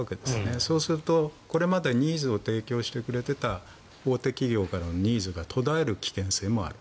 そうするとこれまでニーズを提供してくれていた大手企業からのニーズが途絶える危険性もあると。